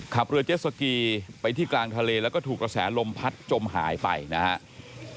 ขับเรือเจสสกีไปที่กลางทะเลแล้วก็ถูกกระแสลมพัดจมหายไปนะครับ